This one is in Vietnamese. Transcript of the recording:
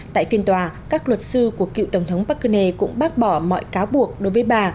tại phiên tòa các luật sư của cựu tổng thống park geun hye cũng bác bỏ mọi cáo buộc đối với bà